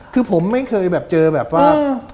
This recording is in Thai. คือผมไม่เคยแบบเจอแบบว่า